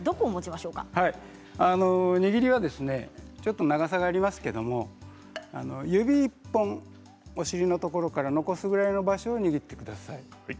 握りはですねちょっと長さがありますけれども指１本お尻のところから残すくらいの場所を握ってください。